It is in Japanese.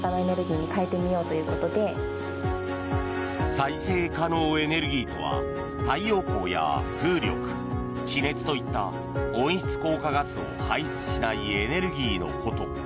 再生可能エネルギーとは太陽光や風力、地熱といった温室効果ガスを排出しないエネルギーのこと。